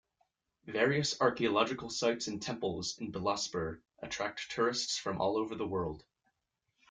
Various archeological sites and temples in Bilaspur attract tourists from all over the world.